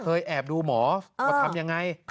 เคยแอบดูหมอทำยังไง